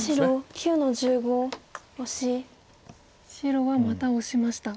白はまたオシました。